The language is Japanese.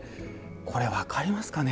これ分かりますかね？